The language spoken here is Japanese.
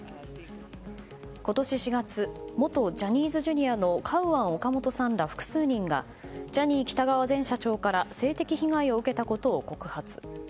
今年４月、元ジャニーズＪｒ．のカウアン・オカモトさんら複数人がジャニー喜多川前社長から性的被害を受けたことを告発。